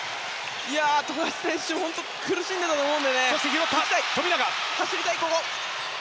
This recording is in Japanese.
富樫選手苦しんでいたと思うのでね。